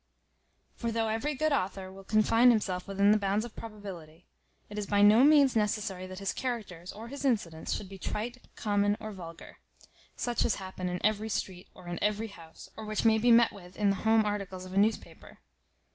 For though every good author will confine himself within the bounds of probability, it is by no means necessary that his characters, or his incidents, should be trite, common, or vulgar; such as happen in every street, or in every house, or which may be met with in the home articles of a newspaper.